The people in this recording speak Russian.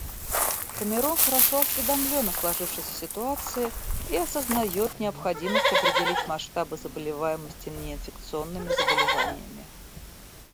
Камерун хорошо осведомлен о сложившейся ситуации и осознает необходимость определить масштабы заболеваемости неинфекционными заболеваниями.